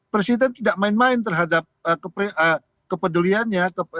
presiden tidak main main terhadap kepeduliannya